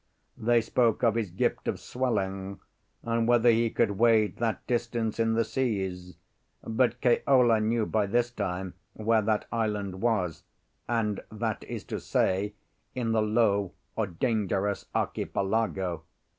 They spoke of his gift of swelling, and whether he could wade that distance in the seas. But Keola knew by this time where that island was—and that is to say, in the Low or Dangerous Archipelago.